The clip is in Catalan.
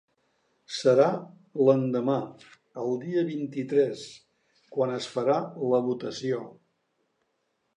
Serà l’endemà, el dia vint-i-tres, quan es farà la votació.